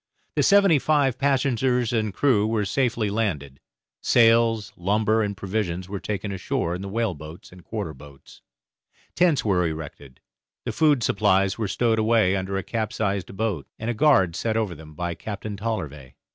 The seventy five passengers and crew were safely landed; sails, lumber, and provisions were taken ashore in the whaleboats and quarter boats; tents were erected; the food supplies were stowed away under a capsized boat, and a guard set over them by Captain Tollervey.